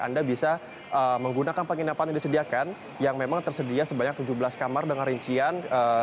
anda bisa menggunakan penginapan yang disediakan yang memang tersedia sebanyak tujuh belas kamar dengan rincian